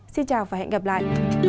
xin chào và hẹn gặp lại